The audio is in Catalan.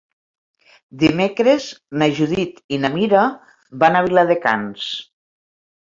Dimecres na Judit i na Mira van a Viladecans.